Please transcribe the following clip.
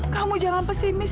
kamu jangan pesimis ya riz